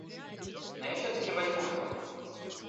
Но я всё-таки возьму его.